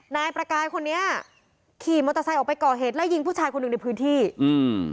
นายประกายคนนี้ขี่มอเตอร์ไซค์ออกไปก่อเหตุไล่ยิงผู้ชายคนหนึ่งในพื้นที่อืม